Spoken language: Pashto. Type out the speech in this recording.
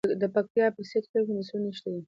د پکتیا په سید کرم کې د مسو نښې شته.